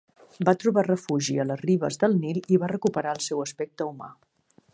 Va trobar refugi a les ribes del Nil i va recuperar el seu aspecte humà.